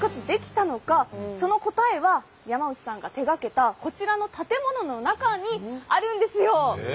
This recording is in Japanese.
その答えは山内さんが手がけたこちらの建物の中にあるんですよ。